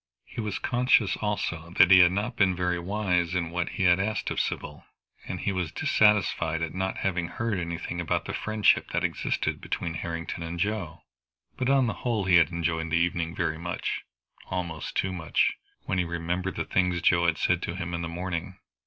He was conscious also that he had not been very wise in what he had asked of Sybil, and he was dissatisfied at not having heard anything about the friendship that existed between Harrington and Joe. But on the whole he had enjoyed the evening very much almost too much, when he remembered the things Joe had said to him in the morning.